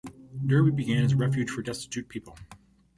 Derby began as a refuge for destitute people.